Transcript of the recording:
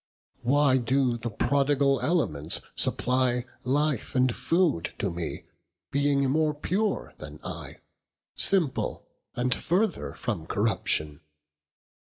Why doe the prodigall elements supply Life and food to mee, being more pure than I, Simple, and further from corruption?